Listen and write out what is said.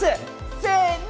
せの。